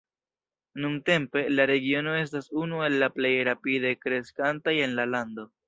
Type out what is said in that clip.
Nuntempe, la regiono estas unu el la plej rapide kreskantaj en la lando.